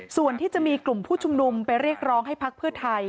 ส่วนที่จะมีกลุ่มผู้ชุมนุมไปเรียกร้องให้พักเพื่อไทย